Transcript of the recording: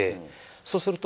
そうすると。